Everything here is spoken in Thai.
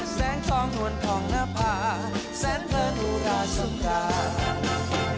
แสงทองหนวนทองหน้าพาแสนเทินอุราสัมภาษณ์